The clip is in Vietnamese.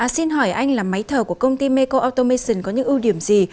xin hỏi anh là máy thở của công ty meko automation có những ưu điểm gì